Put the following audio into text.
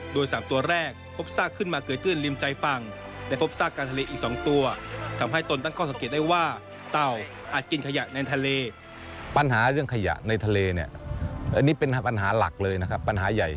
โดย๓ตัวแรกพบซากขึ้นมาเกยือตื้นริมชายฝั่ง